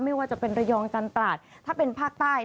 ไม่ว่าจะเป็นระยองจันตราดถ้าเป็นภาคใต้